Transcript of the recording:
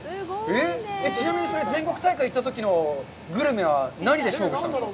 ちなみにそれ全国大会行ったときのグルメは何で勝負したんですか。